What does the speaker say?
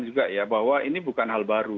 juga ya bahwa ini bukan hal baru